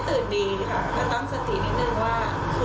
ก็ตอนนี้นะคะอย่างแรกเลยก็คือ